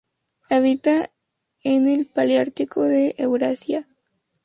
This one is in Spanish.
Habita en el paleártico de Eurasia.